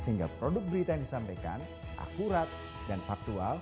sehingga produk berita yang disampaikan akurat dan faktual